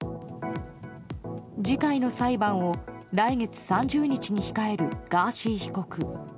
次回の裁判を来月３０日に控えるガーシー被告。